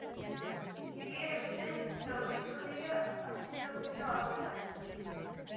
Bi ertzain zauritu dira atxiloketa horretan.